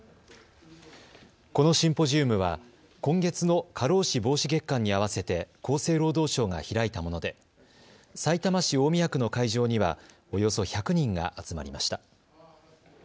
このシンポジウムは今月の過労死防止月間に合わせて厚生労働省が開いたものでさいたま市大宮区の会場にはおよそ１００人が集まりました。